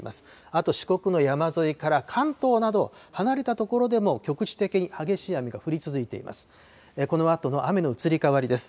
あと四国の山沿いから関東など離れた所でも局地的に激しい雨が降り続いています。